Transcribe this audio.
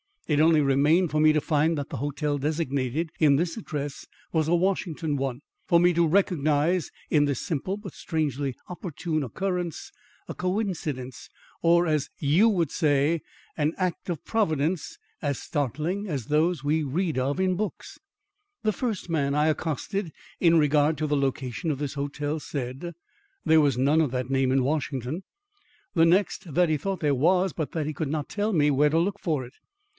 It only remained for me to find that the hotel designated in this address was a Washington one, for me to recognise in this simple but strangely opportune occurrence, a coincidence or, as YOU would say, an act of Providence as startling as those we read of in books. The first man I accosted in regard to the location of this hotel said there was none of that name in Washington. The next, that he thought there was, but that he could not tell me where to look for it.